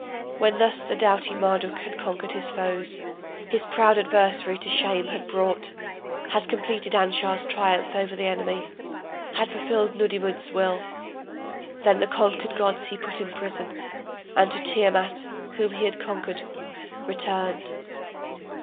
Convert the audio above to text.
When thus the doughty Marduk had conquered his foes, His proud adversary to shame had brought, Had completed Anshar's triumph over the enemy, Had fulfilled Nudimmud's will, Then the conquered gods he put in prison, And to Tiamat, whom he had conquered, returned.